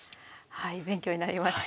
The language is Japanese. はい勉強になりました。